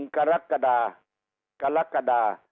กรกฎากรกฎา